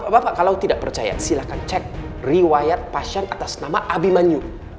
bapak kalau tidak percaya silahkan cek riwayat pasien atas nama abimanyu